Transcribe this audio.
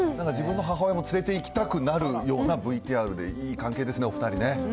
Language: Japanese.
自分の母親も連れていきたくなるようなＶＴＲで、いい関係ですね